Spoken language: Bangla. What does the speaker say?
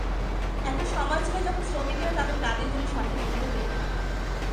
একটা সময় ছিল যখন শ্রমিকেরা তাদের কাজের জন্য সঠিক মূল্য পেত না।